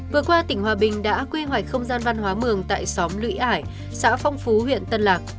vừa qua tỉnh hòa bình đã quy hoạch không gian văn hóa mường tại xóm lũy ải xã phong phú huyện tân lạc